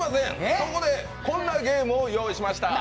そこでこんなゲームを用意しました！